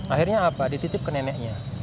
akhirnya apa dititip ke neneknya